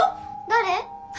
誰？